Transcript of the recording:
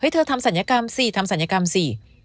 เธอทำศัลยกรรมสิทำศัลยกรรมสิ